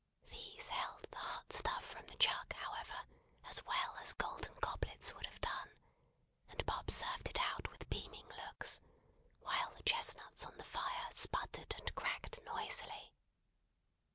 These held the hot stuff from the jug, however, as well as golden goblets would have done; and Bob served it out with beaming looks, while the chestnuts on the fire sputtered and cracked noisily.